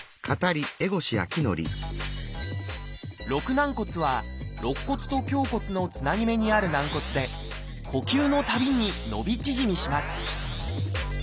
「肋軟骨」は肋骨と胸骨のつなぎ目にある軟骨で呼吸のたびに伸び縮みします